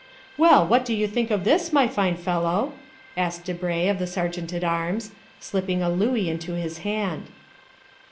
"Well, what do you think of this, my fine fellow?" asked Debray of the sergeant at arms, slipping a louis into his hand.